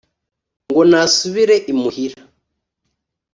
ngo nasubire imuhira;